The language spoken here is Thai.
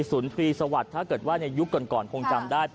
สุนทรีสวัสดิ์ถ้าเกิดว่าในยุคก่อนคงจำได้